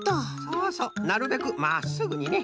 そうそうなるべくまっすぐにね。